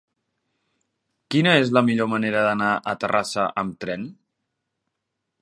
Quina és la millor manera d'anar a Terrassa amb tren?